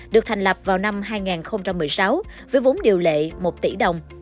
được thành lập vào năm hai nghìn một mươi sáu với vốn điều lệ một tỷ đồng